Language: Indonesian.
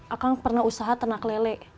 akang pernah usaha ternak lele